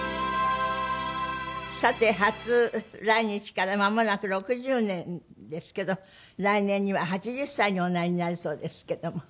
さて初来日からまもなく６０年ですけど来年には８０歳におなりになるそうですけども。